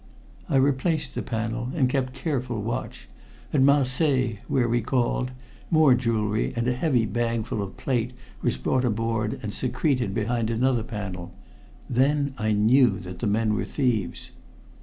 "I replaced the panel and kept careful watch. At Marseilles, where we called, more jewelry and a heavy bagful of plate was brought aboard and secreted behind another panel. Then I knew that the men were thieves.